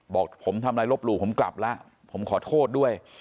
บอกผมทำอะไรลบหลู่ผมกลับแล้วผมขอโทษด้วย